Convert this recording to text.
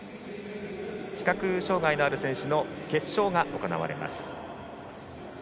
視覚障がいのある選手の決勝が行われます。